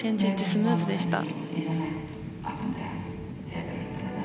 スムーズでした。